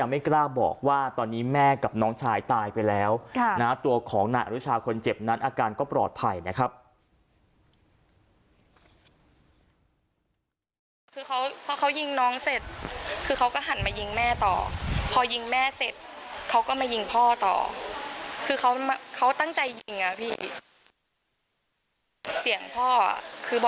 แม่กับน้องชายตายไปแล้วนะตัวของนายอนุชาคนเจ็บนั้นอาการก็ปลอดภัยนะครับ